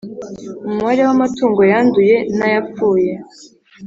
umubare w amatungo yanduye n ayapfuye